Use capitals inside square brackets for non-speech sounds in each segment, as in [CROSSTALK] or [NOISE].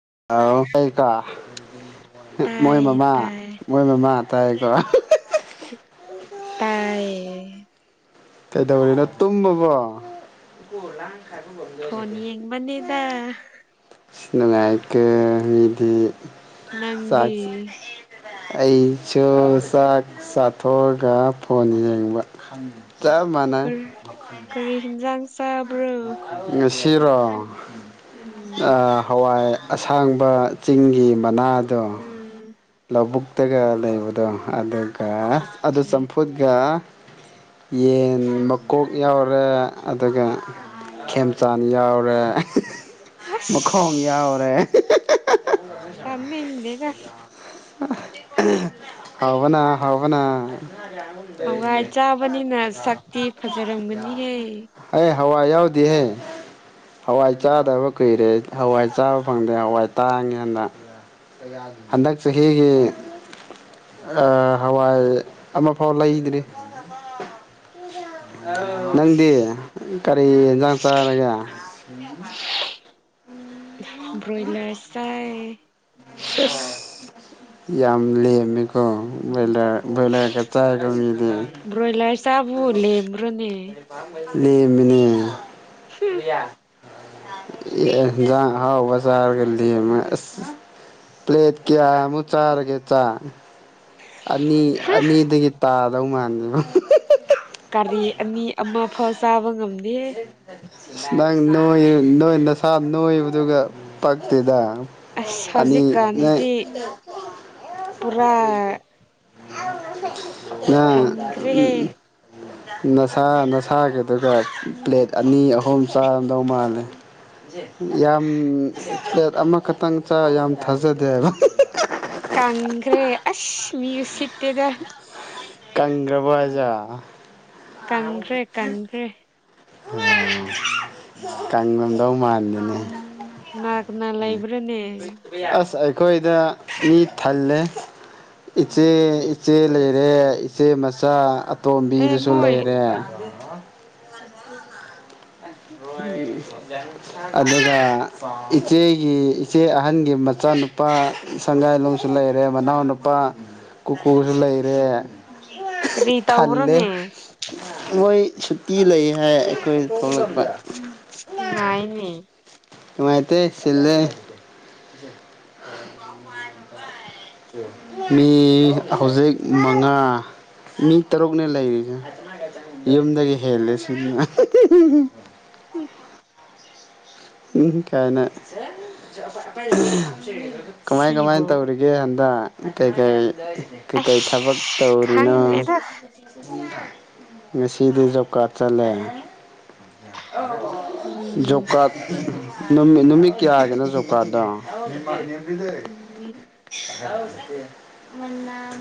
[UNINTELLIGIBLE] ꯃꯣꯏ ꯇꯥꯏꯌꯦ ꯃꯃꯥ ꯃꯣꯏ ꯃꯃꯥ ꯇꯥꯏꯀꯣ ꯇꯥꯏ ꯀꯩꯗꯧꯔꯤꯅꯣ ꯇꯨꯝꯃꯕꯣ ꯐꯣꯟ ꯌꯦꯡꯕꯅꯤꯗ ꯁꯤꯅ ꯂꯥꯏꯀ ꯃꯤꯗꯤ ꯅꯪꯗꯤ ꯆꯥꯛ ꯑꯩꯁꯨ ꯆꯥꯛ ꯆꯥꯊꯣꯛꯑꯒ ꯐꯣꯟ ꯌꯦꯡꯕ ꯆꯞ ꯀꯔꯤ ꯀꯔꯤ ꯍꯤꯟꯖꯥꯡ ꯆꯥꯕ꯭ꯔꯣ [UNINTELLIGIBLE] ꯁꯤꯔꯣ ꯎꯝ ꯍꯋꯥꯏ ꯑꯁꯥꯡꯕ ꯆꯤꯡꯒꯤ ꯃꯅꯥ ꯎꯝ ꯀꯕꯨꯛꯇꯒ ꯂꯩꯕꯗꯣ ꯑ ꯀ ꯑꯗꯨ ꯆꯠꯆꯥ ꯆꯝꯐꯨꯠꯒ ꯌꯦꯟ ꯃꯀꯣꯛ ꯌꯥꯎꯔꯦ ꯑꯗꯨꯒ ꯈꯦꯝꯆꯥꯟ ꯌꯥꯎꯔꯦ ꯃꯈꯣꯡ ꯌꯥꯎꯔꯦ ꯇꯥꯅꯤꯡꯗꯦꯗꯥ ꯍꯥꯎꯕꯥꯅ ꯍꯥꯎꯕꯥꯅ ꯍꯋꯥꯏ ꯆꯥꯕꯅꯤꯅ ꯁꯛꯇꯤ ꯐꯖꯔꯝꯒꯅꯤꯍꯦ [UNINTELLIGIBLE] ꯍꯋꯥꯏ ꯌꯥꯎꯗꯤꯍꯦ ꯍꯋꯥꯏ ꯆꯥꯗꯕ ꯀꯨꯏꯔꯦ ꯍꯋꯥꯏ ꯆꯥꯕ ꯐꯪꯗꯦ ꯍꯋꯥꯏ ꯇꯥꯡꯉꯦꯟꯗ ꯍꯟꯗꯛ ꯆꯍꯤꯒꯤ ꯍꯋꯥꯏ ꯑꯃꯐꯥꯎ ꯂꯩꯗ꯭ꯔꯤ ꯅꯪꯗꯤ ꯀꯔꯤ ꯌꯦꯟꯖꯥꯡ ꯆꯥꯔꯒꯦ ꯕ꯭ꯔꯣꯏꯂꯔ ꯆꯥꯏ ꯌꯥꯝ ꯂꯩꯃꯤꯀꯣ ꯣꯏꯔ ꯭ꯔꯣꯣꯏꯂꯔ ꯕ꯭ꯔꯣꯣꯏꯂꯔ ꯆꯕꯨ ꯂꯕ꯭ꯔꯣꯅꯦ ꯂꯩꯃꯤꯅꯦ ꯌꯥ ꯍꯥꯎ ꯋꯥ ꯆꯥꯔꯒ ꯄ꯭ꯂꯦꯠ ꯀ ꯃꯨꯆꯔꯒꯦ ꯆ ꯑꯅꯤ ꯑꯅꯤꯗ ꯇꯥꯗꯧ ꯃꯥꯥꯟꯅꯦꯗꯥꯕ ꯀꯥꯔꯤ ꯑꯅꯤ ꯑꯃ ꯐ ꯆꯥꯕ ꯉꯝꯗ ꯌꯦ ꯑꯁ ꯅꯪ ꯅꯣꯏ ꯅꯣꯏ ꯅꯁꯥ ꯅꯣꯏꯕꯗꯨꯒ ꯄꯛꯇꯦꯗ ꯑꯁ ꯑꯅꯤ ꯅꯪ ꯍꯧꯖꯤꯛꯀꯥꯟꯁꯤꯗꯤ ꯄꯨꯔꯥ [UNINTELLIGIBLE] ꯉꯥ ꯍꯟꯈ꯭ꯔꯦꯍꯦ ꯅꯁꯥ ꯅꯁꯥꯒꯤꯗꯨꯒ ꯄ꯭ꯂꯦꯠ ꯑꯅꯤ ꯑꯍꯨꯝ ꯆꯥꯔꯝꯗꯧ ꯃꯥꯜꯂꯦ ꯌꯥꯝ ꯄ꯭ꯂꯦꯠ ꯑꯃꯈꯛꯇꯪ ꯆ ꯌꯥꯝ ꯊꯥꯖꯗꯦ ꯍꯥꯏꯕ ꯃꯤꯌꯨꯁꯤꯠꯇꯦꯗ ꯀꯪꯈ꯭ꯔꯕꯖꯥ ꯀꯪ꯭ꯔꯦ ꯀꯪ꯭ꯔꯦ ꯎꯝ ꯀꯉꯝꯗꯧ ꯃꯥꯟꯗꯅꯦ ꯅꯥ ꯀꯅꯥ ꯂꯩꯕ꯭ꯔꯥꯅꯦ ꯑꯁ ꯑꯩꯈꯣꯏꯗ ꯃꯤ ꯊꯜꯂꯦ ꯏꯆꯦ ꯏꯆꯦ ꯂꯩꯔꯦ ꯏꯆꯦ ꯃꯆꯥ ꯑꯦ ꯇꯣꯝꯕꯤꯗꯨꯁꯨ ꯃꯣꯏ ꯂꯩꯔꯦ ꯑꯣ ꯎꯝ ꯑꯗꯨꯒ ꯏꯆꯦꯒꯤ ꯏꯆꯦ ꯑꯍꯟꯒꯤ ꯃꯆꯥꯅꯨꯄꯥ ꯁꯪꯒꯥꯏꯂꯣꯡꯁꯨ ꯂꯩꯔꯦ ꯃꯅꯥꯎꯅꯨꯄꯥ ꯀꯨꯀꯨꯁꯨ ꯂꯩꯔꯦ ꯀꯔꯤ ꯊꯜꯂ ꯇꯧꯕ꯭ꯔꯣꯅꯦ ꯃꯣꯏ ꯁꯨꯇꯤ ꯂꯩ ꯍꯥꯏ ꯑꯩꯈꯣꯏ ꯊꯣꯛꯣꯡꯂꯛꯄ ꯎꯝ ꯉꯥꯏꯅꯦ ꯅꯨꯡꯃꯥꯏꯇꯦ ꯁꯤꯜꯂꯦ ꯃꯤ ꯍꯧꯖꯤꯛ ꯃꯉꯥ ꯃꯤ ꯇꯔꯨꯛꯅꯦ ꯂꯩꯔꯤꯁꯦ ꯌꯨꯝꯗꯒꯤ ꯍꯦꯜꯂꯦ ꯁꯤꯅ [UNINTELLIGIBLE] ꯏ ꯀꯥꯏꯅ ꯀꯃꯥꯏ ꯀꯃꯥꯏ ꯁꯤꯕꯨ ꯇꯧꯔꯤꯒꯦ ꯍꯟꯗꯛ ꯀ ꯀꯩ ꯀꯩ ꯀꯩꯀꯩ ꯑꯁ ꯊꯕꯛ ꯇꯧꯔꯤꯅꯣ ꯈꯪꯗꯦꯗ ꯉꯦꯁꯤꯗꯤ ꯖꯣꯕ ꯀꯥꯔꯗ ꯆꯠꯂꯦ ꯎꯝ ꯌꯣꯛꯀꯥꯠ ꯅꯃꯤ ꯀꯌꯥꯒꯦꯅ ꯖꯣꯄ꯭ꯔꯥꯗ ꯗ ꯅꯨꯃꯤꯠ ꯑꯣꯀ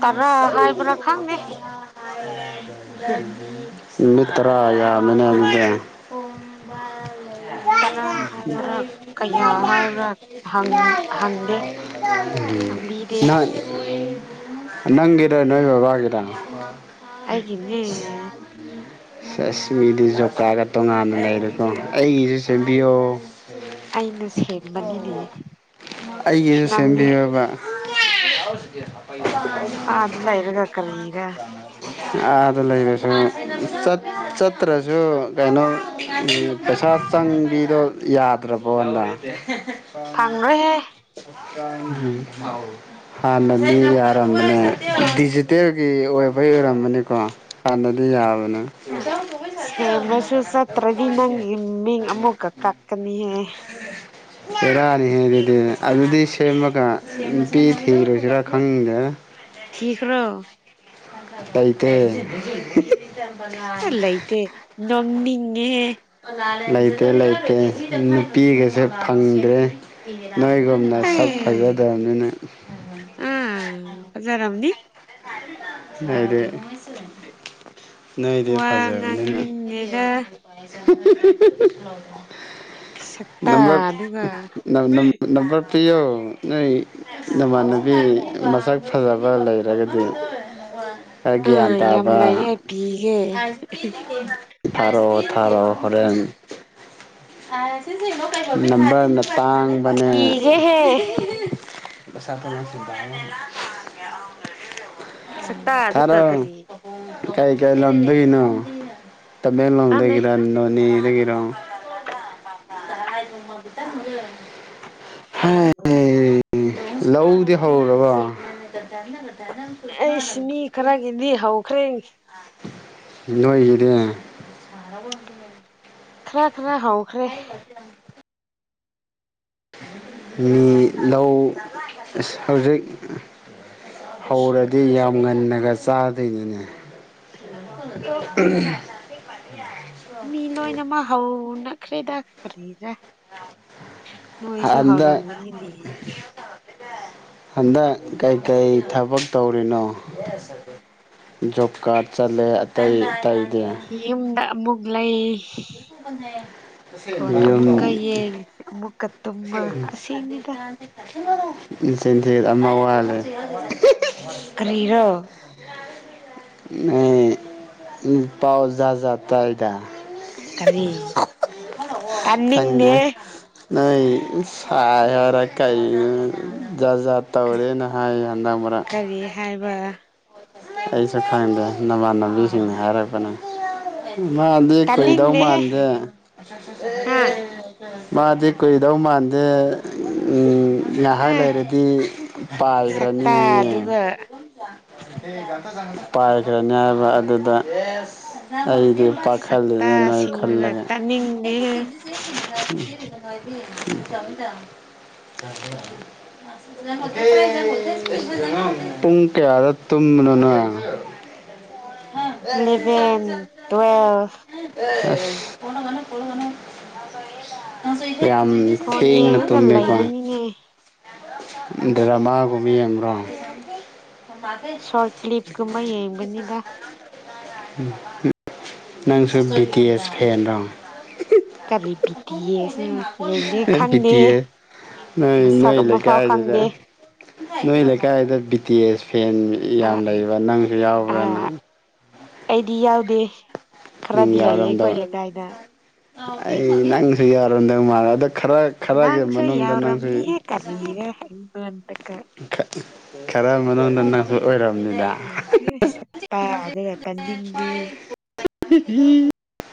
ꯇꯔꯥ ꯍꯥꯏꯕ꯭ꯔꯥ ꯈꯪꯗꯦ ꯃꯤꯇ꯭ꯔꯌꯥ ꯃꯗꯦ ꯎꯝ ꯀꯅꯥ ꯍꯪ ꯍꯪꯗꯦ ꯍꯪꯕꯤꯗꯦ ꯅ ꯅꯪꯒꯤꯗꯦ ꯅꯣꯏ ꯕꯥꯒꯤꯗꯥꯡ ꯍꯥꯏꯒꯅꯦ ꯆꯁꯃꯤꯗꯤ ꯖꯣꯀꯥꯒ ꯇꯣꯉꯥꯟꯅ ꯂꯩꯔꯦꯀꯣ ꯑꯩꯒꯤꯁꯨ ꯃꯤꯑꯣꯕꯤꯣ ꯑꯩꯅ ꯁꯦꯝꯕꯅꯤꯅꯦ ꯑꯩꯒꯤꯁꯨ ꯅꯪꯗꯤ ꯁꯦꯝꯕꯤꯔꯕ ꯌꯥꯎ ꯁꯤꯒ ꯍꯥ ꯑ ꯑꯗꯨꯗꯂ ꯏꯔꯒꯦ ꯀꯔꯤꯔ ꯑꯥꯗ ꯂꯩꯔꯁꯨ ꯆꯠꯇ꯭ꯔꯁꯨ ꯀꯩꯅꯣ ꯄꯦꯁꯥ ꯆꯥꯡꯒꯤꯗ ꯌꯥꯗ꯭ꯔꯕꯣꯂ ꯐꯪꯔꯣꯏꯍꯦ ꯑ ꯍꯥꯟꯅꯅꯤ ꯌꯥꯔ ꯇ ꯗꯤꯖꯤꯇꯦꯜ ꯑꯣꯏꯕꯩ ꯑꯣꯏꯔꯝ ꯑꯃꯅꯤꯀꯣ ꯍꯥꯟꯅꯗꯤ ꯌꯥꯕꯅꯦ ꯁꯦꯝꯕꯁꯨ ꯆꯠꯇ꯭ꯔꯗꯤ ꯅꯪꯒꯤ ꯃꯤꯡ ꯑꯃꯨꯛꯀ ꯀꯛꯀꯅꯤꯍꯦ ꯆꯦꯔꯥꯅꯤꯍꯦ ꯑꯗꯨꯗꯤ ꯑꯗꯨꯗꯤ ꯁꯦꯝꯃꯒ ꯅꯨꯄꯤ ꯊꯤꯔꯨꯁꯤꯔꯥ ꯈꯪꯗꯦ ꯊꯀ꯭ꯔꯣ ꯑꯇꯩꯥꯏꯇꯩ ꯆꯄꯅ ꯅꯣꯅꯤꯡꯉꯦ ꯂꯩꯇꯦ ꯂꯩꯇꯦ ꯅꯨꯄꯤꯒꯁꯨ ꯐꯪꯗ꯭ꯔꯦ ꯅꯣꯏꯒꯨꯝꯅ ꯁꯛ ꯑꯦ ꯐꯖꯗ꯭ꯔꯕꯅꯤꯅ ꯑꯥ ꯐꯖꯔꯝꯅꯤ ꯍꯥꯏ ꯅꯗꯤ ꯋꯥ ꯐꯖꯩ ꯏꯅꯅ ꯉꯥꯡꯅꯤꯡꯗꯦꯗ ꯁꯛꯇꯥ ꯅꯝꯕꯔ ꯑꯗꯨꯒ ꯅꯝꯕꯝꯕꯔ ꯄꯤꯌꯣ ꯅꯣꯏ ꯅꯃꯅꯕꯤ ꯃꯁꯛ ꯐꯖꯕ ꯂꯩꯔꯒꯗꯤ ꯋꯥ ꯒ꯭ꯌꯥꯟ ꯑꯥ ꯌꯥꯝ ꯇꯥꯕ ꯂꯩꯌꯦ ꯄꯤꯒꯦ ꯊꯔꯣ ꯊꯥꯔꯣ ꯍꯣꯔꯦꯟ ꯑ ꯅꯝꯕꯔꯅ ꯇꯥꯡꯕꯅꯦ ꯄꯤꯒꯦꯍꯦ ꯁꯅ ꯁꯤꯗ ꯁꯛꯇꯥ ꯑꯗꯨ ꯀꯔꯤ ꯀꯩ ꯀꯩ ꯂꯝꯗꯒꯤꯅꯣ ꯈꯪꯗꯦ ꯇꯃꯦꯡꯂꯣꯡꯗꯒꯤꯔ ꯅꯣꯅꯤꯗꯒꯤ ꯑꯗꯨꯝ ꯇꯔꯉꯥꯏ ꯃꯃꯇ ꯃ ꯍ ꯂꯧꯗꯤ ꯍꯧꯔꯕꯣ ꯑꯩꯁ ꯃꯤ ꯈꯔꯒꯤꯗꯤ ꯍꯧꯈ꯭ꯔꯦ ꯣꯏꯒꯤꯗꯦ ꯈꯥ ꯈꯔ ꯍꯧ ꯍꯧꯈ꯭ꯔꯦ ꯃꯤ ꯂꯧ ꯍꯧꯖꯤꯛ ꯍꯧꯔꯗꯤ ꯌꯥꯝ ꯨꯡ ꯉꯟꯅꯒ ꯆꯥꯗꯣꯏꯅꯤꯅꯦ ꯃꯤ ꯂꯣꯏꯅꯃ ꯍꯅ ꯈꯈ꯭ꯔꯤꯗ ꯈꯔꯍꯤꯔ ꯑꯗ ꯍꯧꯔꯝꯒꯅꯤꯅꯦ ꯑꯗ ꯀꯥꯏ ꯀꯥꯏ ꯊꯕꯛ ꯇꯧꯔꯤꯅꯣ ꯣꯕ ꯀꯥꯔꯠ ꯆꯠꯂꯦ ꯑꯇꯩ ꯑꯇꯩꯗꯤ ꯌꯨꯝꯗ ꯑꯃꯨꯛ ꯂꯩ ꯐꯣꯟ ꯑꯃꯨꯛꯀ ꯌꯨꯝ ꯌꯦꯡ ꯑꯃꯨꯛꯀ ꯇꯨꯝꯃ ꯑꯁꯤꯅꯤꯗ ꯆꯦꯟꯊꯦ ꯑꯃ ꯋꯥꯠꯂꯦ ꯀꯔꯤꯔꯣ ꯍ ꯄꯥꯎꯖꯖꯥ ꯇꯥꯏꯗ ꯀꯔꯤ ꯈꯪꯗꯦ ꯇꯥꯅꯤꯡꯗꯦ ꯅꯣꯏ ꯁꯥꯏ ꯌꯥꯔ ꯀꯥꯏ ꯖꯥꯠ ꯖꯥꯠ ꯇꯧꯔꯦꯅ ꯍꯥꯏꯌꯦ ꯍꯟꯗꯛ ꯃꯔꯔꯛ ꯋꯥ ꯑꯩꯁꯨ ꯈꯪꯗꯦ ꯅꯃꯥꯟꯅꯕꯤꯁꯤꯡꯅ ꯍꯥꯏꯔꯛꯄꯅ ꯃꯥꯗꯤ ꯀꯨꯏꯗꯧ ꯇꯥꯅꯤꯡꯗꯦꯍꯦ ꯃꯥꯟꯗꯦ ꯍꯥ ꯃꯥꯗꯤ ꯀꯨꯏꯗꯧ ꯃꯥꯟꯗꯦ ꯎ ꯉꯥꯏꯍꯥꯛ ꯎꯝ ꯂꯩꯔꯗꯤ ꯁꯛꯇꯥ ꯄꯥꯏꯈ꯭ꯔꯅꯤꯌꯦ ꯑꯗꯨꯒ ꯄꯥꯏꯈꯔꯦ ꯅꯤꯥꯏꯕ ꯑꯗꯨꯗ ꯑꯩꯗꯤ ꯎꯝ ꯄꯥꯈꯜꯂꯤꯅꯦ ꯅ ꯑꯩ ꯁꯛꯇꯥꯁꯤꯡꯗꯨꯒ ꯈꯜꯂꯒꯦ ꯇꯥꯅꯤꯡꯗꯦꯍꯦ ꯎꯝ ꯄꯨꯡ ꯀꯌꯥꯗ ꯇꯨꯝꯅꯅ ꯆ ꯏꯂꯚꯦꯟ ꯇꯨꯋꯦꯜꯐ ꯑ ꯐꯅꯒꯅ ꯀꯒꯅ ꯍꯁ ꯌꯥꯝ ꯐꯣꯟ ꯊꯦꯡꯅ ꯌꯦꯡꯉꯒ ꯇꯨꯝꯃꯦꯀꯣ ꯂꯩꯕꯅꯤꯅꯦ ꯗ꯭ꯔꯃꯥꯒꯨꯃꯤ ꯍꯦꯝ꯭ꯔꯝ ꯁꯣꯔꯠ ꯀ꯭ꯂꯤꯞꯁꯀꯨꯝꯕ ꯌꯦꯡꯕꯅꯤꯗ ꯅꯪꯁꯨ ꯕꯤ ꯇꯤ ꯑꯦꯁ ꯐꯦꯟꯗꯣ ꯀꯔꯤ ꯄꯕꯤꯇꯌꯦꯁꯤꯅ ꯌꯦꯡꯗꯦ ꯕꯤ ꯈꯪꯗꯦ ꯇꯤ ꯑꯦ ꯅꯣꯏ ꯃꯁꯛ ꯅꯣꯏ ꯑꯃ ꯂꯩꯀꯥꯏꯗꯨꯗ ꯅꯣꯏ ꯂꯩꯀꯥꯏꯗꯨꯗ ꯕꯤ ꯇꯤ ꯑꯦꯁ ꯐꯦꯟ ꯑ ꯌꯥꯝ ꯂꯩꯕ ꯅꯪꯁꯨ ꯑ ꯌꯥꯎꯕ꯭ꯔꯥ ꯅꯪ ꯑꯩꯗꯤ ꯌꯥꯎꯗꯦ ꯅꯪ ꯈꯔꯗꯤ ꯂꯩꯌꯦ ꯌꯥꯎꯔꯝꯗꯧ ꯑꯩꯈꯣꯏ ꯂꯩꯀꯥꯏꯗ ꯑꯩ ꯅꯪꯁꯨꯨ ꯑꯔꯗꯒ ꯃꯥꯔ ꯑꯗꯨꯗ ꯅꯪꯁꯨꯣ ꯌꯥꯎꯔꯝꯅꯤ ꯍꯦ ꯀꯔꯔ ꯑꯗꯨ ꯑ ꯈꯔ ꯃꯅꯨꯡꯗ ꯅꯪꯁꯨ ꯑꯣꯏꯔꯕꯅꯤꯗ ꯎ ꯆꯄ ꯑꯗꯨꯄ ꯗꯦ ꯍ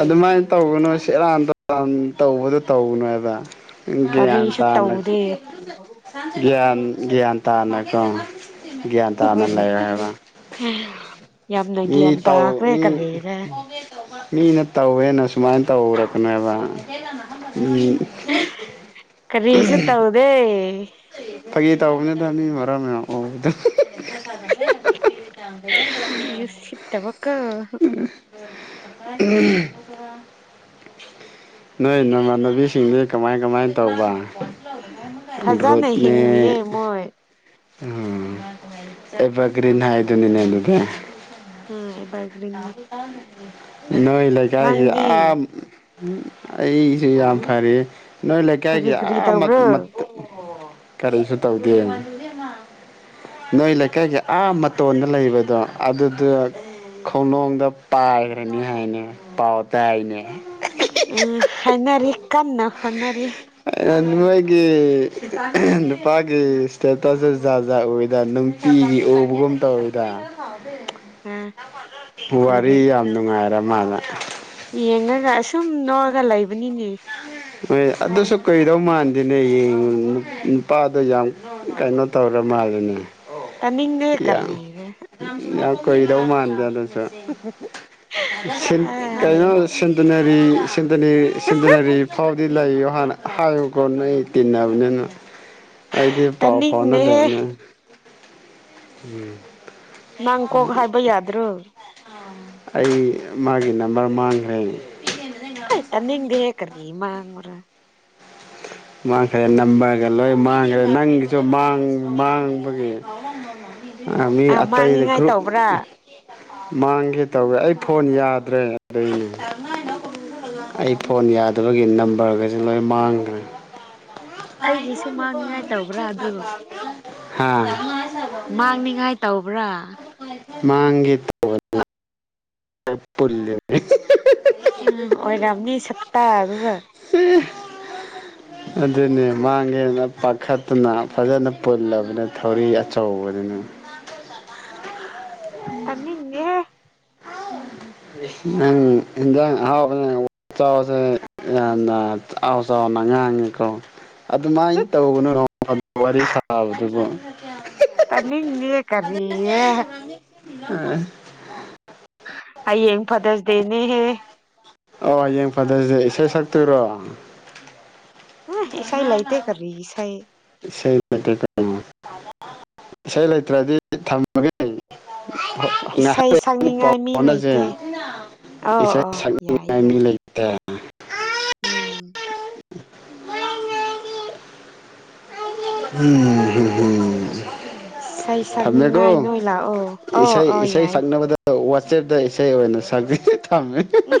ꯑꯗꯨꯃꯥꯏꯅ ꯇꯧꯒꯅꯨ ꯁꯦꯔꯥꯟ ꯇꯥꯟ ꯇꯧꯕꯗꯣ ꯇꯧꯒꯅꯨꯕ ꯒ꯭ꯌꯥꯟ ꯀꯔꯤꯁꯨ ꯇꯥꯅ ꯇꯧꯗꯦ ꯒ꯭ꯌꯥꯟ ꯒ꯭ꯌꯥꯟ ꯇꯥꯅꯀꯣꯣꯡ ꯒ꯭ꯌꯥꯟ ꯇꯥꯅ ꯂꯩꯔ ꯍꯥꯏꯕ ꯌꯥꯝꯅ ꯃꯤ ꯒ꯭ꯌꯥꯟ ꯇꯥꯎ ꯇꯥꯈ꯭ꯔꯦ ꯀꯔꯤꯔ ꯃꯤ ꯃꯤꯅ ꯇꯧꯋꯦꯅ ꯁꯨꯃꯥꯏꯅ ꯇꯧꯔꯛꯀꯅꯦꯕ ꯀꯔꯤꯁꯨ ꯇꯧꯗꯦ ꯐꯒꯤꯦ ꯇꯧꯕꯧꯕꯅꯤꯗ ꯑꯅꯤ ꯃꯔꯝ ꯃꯌꯥꯝꯗ ꯃꯤ ꯌꯁꯤꯠꯇꯕ ꯀ ꯎꯝ ꯅꯣꯏ ꯅꯃꯥꯟꯅꯕꯤꯁꯤꯡꯗꯤ ꯀꯃꯥꯏ ꯀꯃꯥꯏ ꯇꯧꯕ ꯐꯖꯅ ꯑ꯭ꯔꯗꯅꯦ ꯍꯤꯡꯂꯤꯌꯦ ꯃꯣꯏ ꯎ ꯑꯦꯕ ꯀꯔꯤꯅꯍꯗꯅꯤꯅꯦ ꯂꯒ ꯎꯝ ꯑꯕꯔꯒꯂꯅꯤ ꯅꯣꯏ ꯂꯩꯀꯥꯏꯒꯤ ꯌꯥꯝꯥ ꯎ ꯑꯩꯁꯨ ꯌꯥꯝ ꯐꯔꯦ ꯅꯣꯏ ꯀꯔꯤ ꯂꯩꯀꯥꯏꯒꯤ ꯀꯔꯤ ꯇꯧꯕ꯭ꯔꯣ ꯀꯔꯤꯁꯨ ꯇꯧꯗꯦꯅ ꯅꯣꯏ ꯂꯩꯀꯥꯏꯒꯤ ꯑꯥ ꯃꯇꯣꯟꯗ ꯂꯩꯕꯗꯣ ꯑꯗꯨꯗꯨ ꯈꯣꯡꯅꯨꯡꯗ ꯄꯥꯏꯈ꯭ꯔꯅꯤ ꯍꯥꯏꯅꯦ ꯄꯥꯎ ꯇꯗꯥꯥꯏꯅꯦ ꯑ ꯍꯅꯔꯤ ꯀꯥꯟꯅ ꯍꯅꯔꯤ ꯑꯩꯒꯤ ꯀꯄꯥꯒꯤ ꯏꯁꯇꯦꯇꯁ ꯖꯥꯠ ꯖꯥꯠ ꯑꯣꯏꯗ ꯅꯨꯡꯇꯤꯒꯤ ꯎꯕꯒꯨꯝ ꯇꯧꯔꯣꯏꯗ ꯑ ꯋꯥꯔꯤ ꯎꯔ ꯌꯥꯝ ꯅꯨꯡꯉꯥꯏꯔꯦ ꯃꯥꯅ ꯁꯨꯝ ꯅꯣꯛꯑꯒ ꯂꯩꯕꯅꯤꯅꯦ ꯍꯣꯏ ꯑꯗꯨꯁꯨ ꯀꯩꯗꯧ ꯃꯥꯥꯟꯗꯦꯅꯦ ꯅꯨꯄꯥꯗꯣ ꯌꯥꯝ ꯀꯩꯅꯣ ꯇꯧꯔ ꯃꯥꯜꯜꯂꯤꯅꯦ ꯇꯅꯤꯡꯅꯦꯦ ꯀꯔꯤꯅꯦ ꯀꯣꯏꯗꯧ ꯃꯥꯟꯗꯗ ꯁ ꯑꯥꯏ ꯀꯥꯏꯅꯕ ꯁꯟꯗꯅꯦ ꯑꯩ ꯁꯤꯟꯗꯔꯤ ꯐꯥꯎ ꯂꯩꯌꯣ ꯍꯥꯟꯅ ꯍꯥꯏꯌꯨꯀꯣ ꯅꯣꯏ ꯑꯩ ꯇꯤꯟꯅꯕꯅꯤꯅ ꯑꯩꯗꯤ ꯄꯥꯎ ꯇꯥꯅꯤꯡꯗꯦꯍꯦ ꯐꯥꯎꯅꯗꯕꯅꯦ ꯎꯝ ꯅꯪ ꯀꯣꯛ ꯍꯥꯏꯕ ꯌꯥꯗ꯭ꯔꯣ ꯑꯩ ꯃꯥꯒꯤ ꯅꯝꯕꯔ ꯃꯥꯡꯈ꯭ꯔꯦ ꯑ ꯇꯅꯤꯡꯗꯦ ꯍꯦ ꯀꯔꯤ ꯃꯥꯡꯕꯅꯣ ꯃꯥꯡꯈ꯭ꯔꯦ ꯅꯝꯕꯒ ꯂꯣꯏ ꯃꯥꯡꯈ꯭ꯔꯦ ꯅꯪꯒꯤꯁꯨ ꯃꯥꯡꯕꯒꯤ ꯃꯤ ꯑꯥ ꯑꯇꯩꯗ ꯃꯥꯡꯅꯤꯡꯉꯥꯏ ꯒꯔꯨꯞ ꯇꯧꯕ꯭ꯔꯥ ꯃꯥꯡꯒꯦ ꯇꯧꯒꯦ ꯑꯩ ꯐꯣꯟ ꯌꯥꯗ꯭ꯔꯦ ꯑꯗꯨꯗꯩꯅꯦ ꯑꯩ ꯐꯣꯟ ꯌꯥꯗꯕꯒꯤ ꯅꯝꯕꯔꯒꯁꯦ ꯂꯣꯏ ꯃꯥꯡꯈ꯭ꯔꯦ ꯑꯩꯒꯤꯁꯨ ꯃꯥꯡꯅꯤꯡꯉꯥꯏ ꯇꯧꯕ꯭ꯔꯥ ꯑꯗꯨ ꯃꯥꯡꯅꯤꯡꯉꯥꯏ ꯇꯧꯕ꯭ꯔꯥ [UNINTELLIGIBLE] ꯃꯥꯡꯒꯤ ꯇꯧꯕꯅ ꯄꯨꯂ ꯎꯝ ꯑꯣꯏꯔꯥꯝꯅꯤ ꯁꯞꯇꯥ ꯑꯗꯨꯒ ꯑꯗꯨꯅꯦ ꯃꯥꯡꯒꯦꯅ ꯄꯥꯈꯠꯇꯨꯅ ꯐꯖꯅ ꯄꯨꯜꯂꯕꯅ ꯊꯧꯔꯤ ꯑꯆꯧꯕꯗꯨꯅꯤ ꯇꯅꯤꯡꯗꯦ ꯍꯦ [UNINTELLIGIBLE] ꯑꯗꯨꯃꯥꯏꯅ ꯇꯧꯒꯅꯨ ꯋꯥꯔꯤ ꯁꯥꯕꯗꯨꯕꯨ ꯇꯅꯤꯡꯗꯤꯦ ꯀꯔꯤꯌꯦ ꯑ ꯑꯩ ꯌꯦꯡ ꯐꯗꯁꯗꯦꯅꯤ ꯍꯦ ꯑꯣ ꯍꯌꯦꯡ ꯐꯗꯁꯦ ꯏꯁꯩ ꯁꯛꯇꯨꯔꯣ ꯑ ꯏꯁꯥꯥꯏ ꯂꯥꯏꯇꯦ ꯀꯔꯤ ꯏꯁꯥꯥꯏ ꯏꯁꯩ ꯂꯩ ꯏꯁꯩ ꯂꯩꯇ꯭ꯔꯗꯤ ꯊꯝꯃꯒꯦ ꯂꯩ ꯏꯁꯩ ꯉꯥꯏꯍꯥꯛ ꯄꯥꯎ ꯁꯛꯅꯤꯡꯉꯥꯏ ꯃꯤ ꯐꯥꯎꯅꯖꯦ ꯂꯩꯇꯦ ꯑꯧ ꯏꯁꯩ ꯑꯧ ꯌꯥꯏ ꯁꯛꯅꯤꯡꯉꯥꯏ ꯃꯤ ꯌꯥꯏ ꯂꯩꯇꯦ ꯎꯝ ꯎꯝ ꯏꯁꯩ ꯁꯛꯅꯤꯡꯉꯥꯏ ꯅꯣꯏ ꯂꯥꯛꯑꯣ ꯑ ꯑ ꯌꯥꯏ ꯏꯁꯇꯦꯔꯗ ꯏꯁꯩ ꯑꯣꯏꯅ ꯁꯛꯕꯤ ꯎꯝ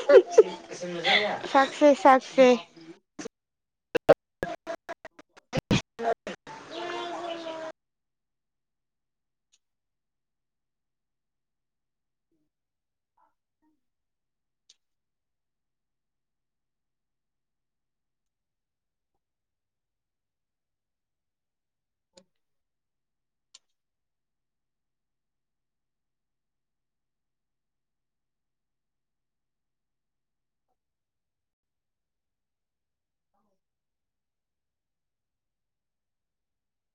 ꯁꯛꯁꯦ ꯁꯛꯁꯦ [UNINTELLIGIBLE]